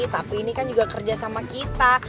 tapi ini kan juga kerja sama kita